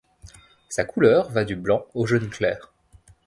Sa couleur va du blanc au jaune clair.